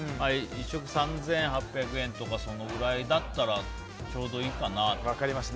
１食３８００円とかそのぐらいだったらちょうどいいかなと。